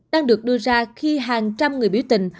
đang được đưa ra khi hàng trăm người biểu tình